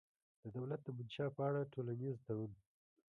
د دولت د منشا په اړه ټولنیز تړون